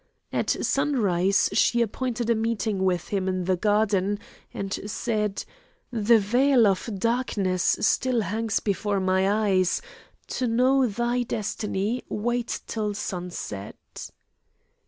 At sunrise she appointed a meeting with him in the garden and said: "The veil of darkness still hangs before my eyes; to know thy destiny wait till sunset."